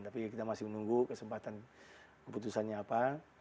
tapi kita masih menunggu kesempatan keputusannya apa